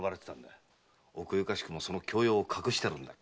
奥ゆかしくもその教養を隠してるんだ。